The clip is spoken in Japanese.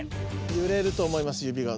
ゆれると思います指が。